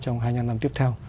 trong hai mươi năm năm tiếp theo